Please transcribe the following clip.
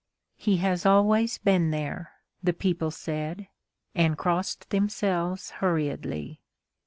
"He has always been there," the people said, and crossed themselves hurriedly.